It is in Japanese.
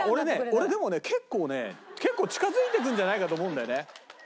俺でもね結構ね結構近づいていくんじゃないかと思うんだよね。